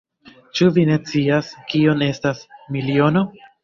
Ĉu vi ne scias, kiom estas miliono?